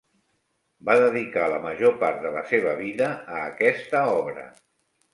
Va dedicar la major part de la seva vida a aquesta obra.